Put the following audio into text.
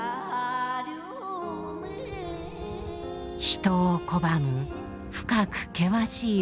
人を拒む深く険しい峰々。